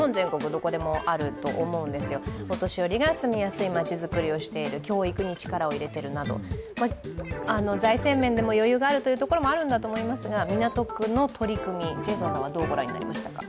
どこでもあると思うんですよ、お年寄りが住みやすい町にするとか教育に力を入れているなど、財政面でも余裕があるところがあると思うんですが、港区の取り組み、ジェイソンさんはどうご覧になりますか？